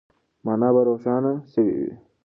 مانا به روښانه سوې وي.